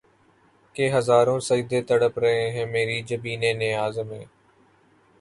کہ ہزاروں سجدے تڑپ رہے ہیں مری جبین نیاز میں